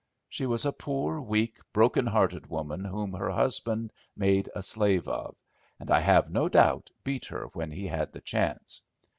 She was a poor, weak, broken hearted woman whom her husband made a slave of, and I have no doubt beat her when he had the chance.